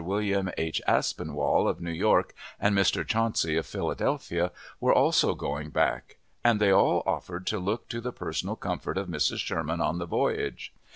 William H. Aspinwall, of New York, and Mr. Chauncey, of Philadelphia, were also going back; and they all offered to look to the personal comfort of Mrs. Sherman on the voyage.